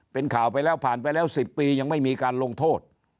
เป็นข่าวไปแล้วผ่านไปแล้ว๑๐ปียังไม่มีการลงโทษ